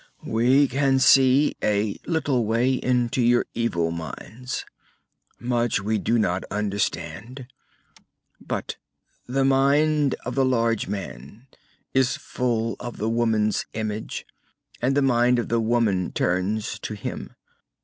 "We can see, a little way, into your evil minds. Much we do not understand. But the mind of the large man is full of the woman's image, and the mind of the woman turns to him.